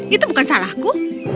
itu bukan salahku